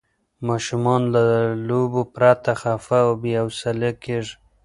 ماشومان له لوبو پرته خفه او بې حوصله کېږي.